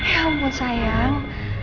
ya ampun sayang